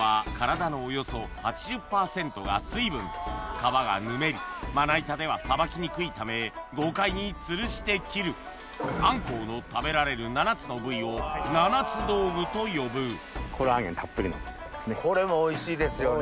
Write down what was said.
皮がぬめりまな板ではさばきにくいため豪快に吊して切るあんこうの食べられる７つの部位を七つ道具と呼ぶこれもおいしいですよね